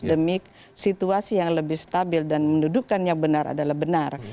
demi situasi yang lebih stabil dan mendudukan yang benar adalah benar